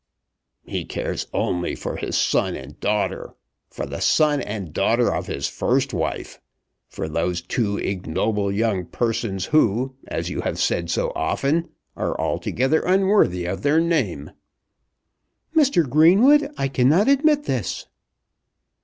"He cares only for his son and daughter; for the son and daughter of his first wife; for those two ignoble young persons who, as you have said so often, are altogether unworthy of their name." "Mr. Greenwood, I cannot admit this."